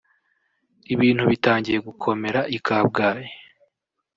ibintu bitangiye gukomera i Kabgayi